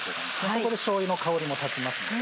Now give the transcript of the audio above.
そこでしょうゆの香りも立ちますので。